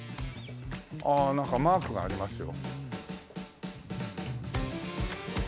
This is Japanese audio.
ああなんかマークがありますよ。